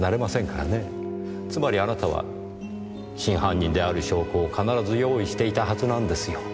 つまりあなたは真犯人である証拠を必ず用意していたはずなんですよ。